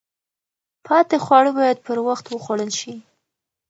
پاتې خواړه باید پر وخت وخوړل شي.